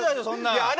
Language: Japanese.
そんなん。